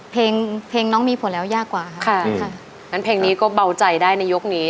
เพลงเพลงน้องมีผลแล้วยากกว่าค่ะค่ะงั้นเพลงนี้ก็เบาใจได้ในยกนี้